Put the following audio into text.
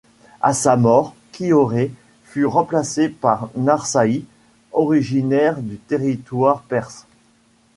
À sa mort, Qioré fut remplacé par Narsaï, originaire du territoire perse.